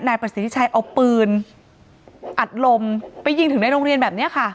นายประสิทธิชัยเอาปืนอัดลมไปยิงถึงในโรงเรียนแบบนี้ค่ะ